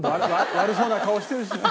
悪そうな顔してるしね。